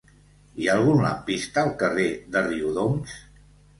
Hi ha algun lampista al carrer de Riudoms?